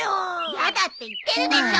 やだって言ってるでしょ。